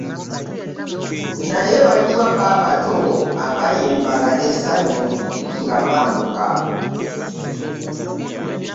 Naye baluwa bo abato abaayimbanga n'essanyu nga bambuka?